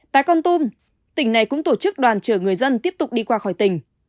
tại con tum tỉnh này cũng tổ chức đoàn chở người dân tiếp tục đi qua khỏi tỉnh